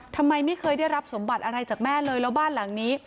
ทำไมไม่เคยได้รับสมบัติอะไรจากแม่เลยแล้วบ้านหลังนี้